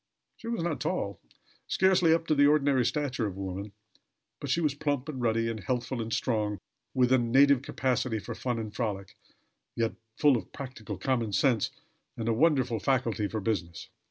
She was not tall; scarcely up to the ordinary stature of woman; but she was plump and ruddy, and healthful and strong, with a native capacity for fun and frolic, yet full of practical common sense, and a wonderful faculty for business.